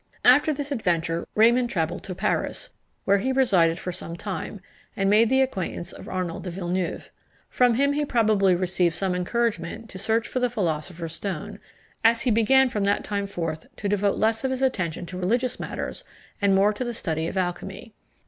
After this adventure Raymond travelled to Paris, where he resided for some time, and made the acquaintance of Arnold de Villeneuve. From him he probably received some encouragement to search for the philosopher's stone, as he began from that time forth to devote less of his attention to religious matters, and more to the study of alchymy.